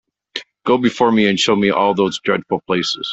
Go before me and show me all those dreadful places.